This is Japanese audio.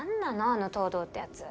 あの東堂ってやつ。